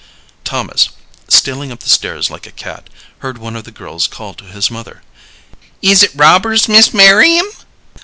Thomas, stealing up the stairs like a cat, heard one of the girls call to his mother "Is it robbers, Mis' Merriam?